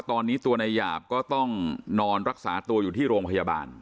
ตอนนี้ตัวนายหยาบก็ต้องนอนรักษาตัวอยู่ที่โรงพยาบาล